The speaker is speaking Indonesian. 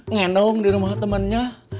ngenong dirumah temennya